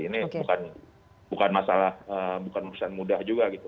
ini bukan masalah bukan urusan mudah juga gitu